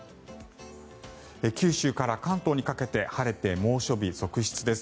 九州から関東にかけて晴れて猛暑日続出です。